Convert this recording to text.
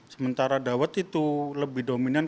sementara dawet itu lebih dominan